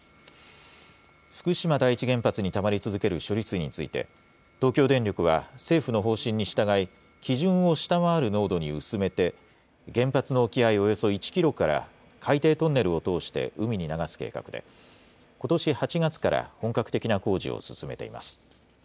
福島第一原発にたまり続ける処理水について、東京電力は政府の方針に従い、基準を下回る濃度に薄めて、原発の沖合およそ１キロから海底トンネルを通して海に流す計画で、ことし８月から本格的な工事を進めています。